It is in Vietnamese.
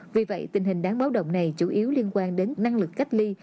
vì vậy tình hình đáng báo động này chủ yếu liên quan đến năng lực cách ly